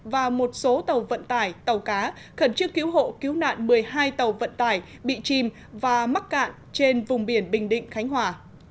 và một số tàu vận tải tàu cá khẩn trương cứu hộ cứu nạn một mươi hai tàu vận tải bị chìm và mắc cạn trên vùng biển bình định khánh hòa